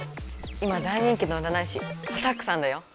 今大人気のうらない師アタックさんだよ。